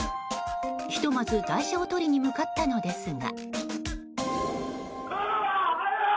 ひとまず、台車を取りに向かったのですが。